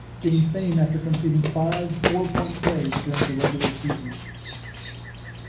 Gained fame after completing five four-point plays during the regular season.